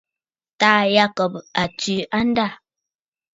Taà Yacob a tswe andâ.